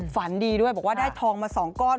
ฝันดีด้วยบอกว่าได้ทองมา๒ก้อน